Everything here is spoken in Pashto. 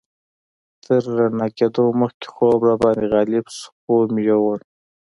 تر رڼا کېدو مخکې خوب راباندې غالب شو، خوب مې یوړ.